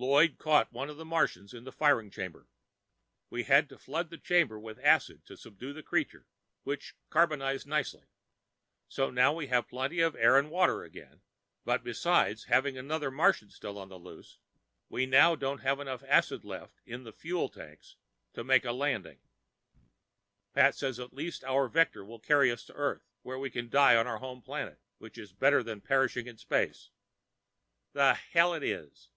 Lloyd caught one of the Martians in the firing chamber. We had to flood the chamber with acid to subdue the creature, which carbonized nicely. So now we have plenty of air and water again, but besides having another Martian still on the loose, we now don't have enough acid left in the fuel tanks to make a landing. Pat says at least our vector will carry us to Earth and we can die on our home planet, which is better than perishing in space. The hell it is.